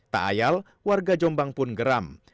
tak ayal warga jombang pun geram